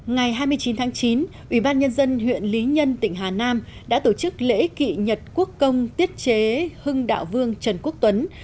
ngày hai mươi chín tháng chín ubnd huyện lý nhân tỉnh hà nam đã tổ chức lễ kỵ nhật quốc công tiết chế hưng đạo vương trần quốc tuấn